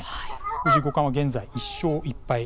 藤井五冠は、現在１勝１敗。